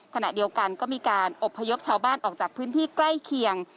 ขณะเดียวกันก็มีการอบพยพชาวบ้านออกจากพื้นที่ใกล้เคียง